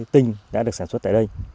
tinh đã được sản xuất tại đây